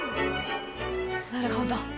なるほど。